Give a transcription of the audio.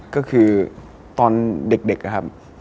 ก็คือตอนเด็กนะครับ